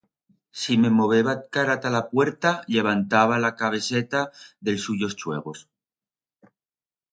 Si me moveba cara ta la puerta, llevantaba la cabeceta d'els suyos chuegos.